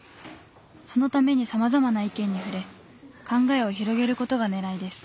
そのためにさまざまな意見に触れ考えを広げる事がねらいです。